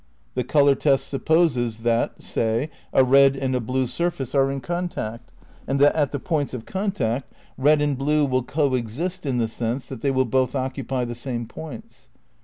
The colour test supposes that, say, a red and a blue surface are in contact, and that at the points of contact red and blue will co exist in the sense that they will both occupy the same points.